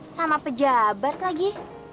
sama pejabat lagi